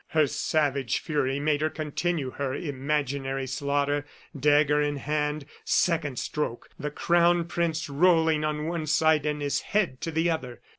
Her savage fury made her continue her imaginary slaughter, dagger in hand. Second stroke! the Crown Prince rolling to one side and his head to the other.